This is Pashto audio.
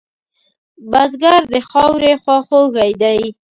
بزګر د خاورې خواخوږی دی